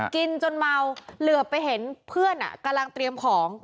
จนเมาเหลือไปเห็นเพื่อนกำลังเตรียมของ